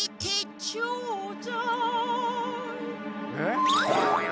えっ？